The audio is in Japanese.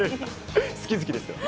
好き好きですからね。